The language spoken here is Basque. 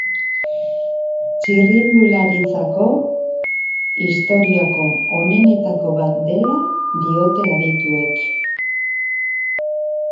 Txirrindularitzako historiako onenetako bat dela diote adituek.